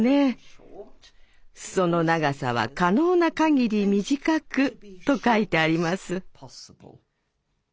「裾の長さは可能な限り短く」と書いてあります。